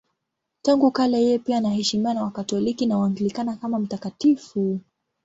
Tangu kale yeye pia anaheshimiwa na Wakatoliki na Waanglikana kama mtakatifu.